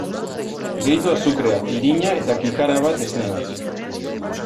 Gehitu azukrea, irina eta kikara bat esne hotz.